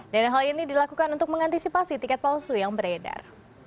dan hal ini dilakukan untuk mengantisipasi tiket palsu yang beredar